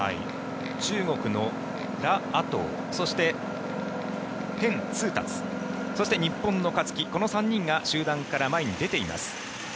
中国のラ・アトウそして、ヘン・ツウタツそして日本の勝木この３人が集団から前に出ています。